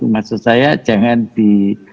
maksud saya jangan di